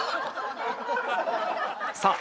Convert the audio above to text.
さあ